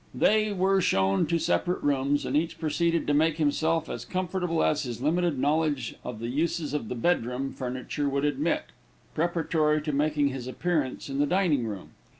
They were shown to separate rooms, and each proceeded to make himself as comfortable as his limited knowledge of the uses of the bedroom furniture would admit, preparatory to making his appearance in the dining room.